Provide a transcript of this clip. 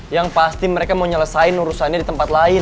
yang pasti mereka mau nyelesain urusannya di tempat lain